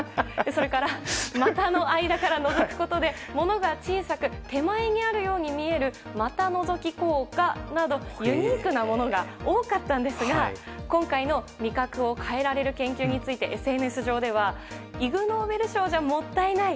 それから股の間からのぞくことでものが小さく手前にあるように見える股のぞき効果などユニークなものが多かったんですが今回の味覚を変えられる研究についてＳＮＳ上ではイグ・ノーベル賞じゃもったいない。